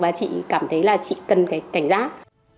và chị cảm thấy là chị cần cảnh giác